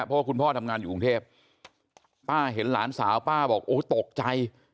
เพราะว่าคุณพ่อทำงานอยู่กรุงเทพป้าเห็นหลานสาวป้าบอกโอ้ตกใจ